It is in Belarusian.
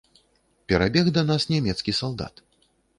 Перабег да нас нямецкі салдат.